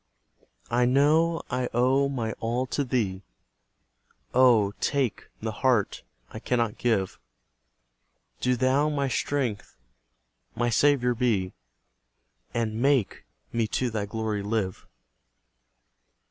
I know I owe my all to Thee; Oh, TAKE the heart I cannot give! Do Thou my strength my Saviour be, And MAKE me to Thy glory live.